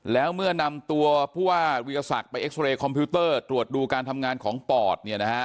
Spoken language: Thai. แล้วเมื่อนำตัวผู้ว่าวิทยาศักดิ์ไปเอ็กซอเรย์คอมพิวเตอร์ตรวจดูการทำงานของปอดเนี่ยนะฮะ